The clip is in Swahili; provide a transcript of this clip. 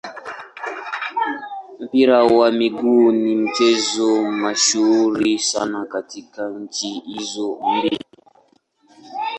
Mpira wa miguu ni mchezo mashuhuri sana katika nchi hizo mbili.